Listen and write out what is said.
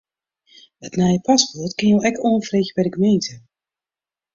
It nije paspoart kinne jo ek oanfreegje by de gemeente.